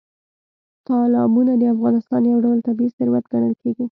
تالابونه د افغانستان یو ډول طبیعي ثروت ګڼل کېږي.